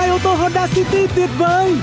một mươi hai ô tô honda city tuyệt vời